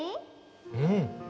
うん